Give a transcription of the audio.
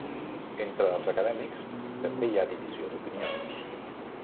Entre els acadèmics també hi ha divisió d'opinions.